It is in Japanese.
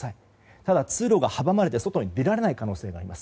ただ、通路が阻まれて外に出られない可能性があります。